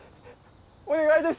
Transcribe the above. お願いです